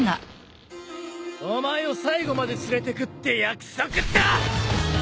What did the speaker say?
お前を最後まで連れてくって約束だ！